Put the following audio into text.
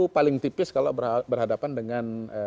paling tipis kalau berhadapan dengan